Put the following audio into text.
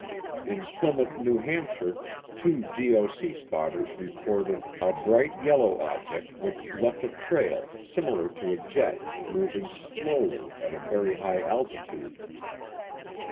In Plymouth, New Hampshire, two GOC spotters reported "a bright yellow object which left a trail, similar to a jet, moving slowly at a very high altitude."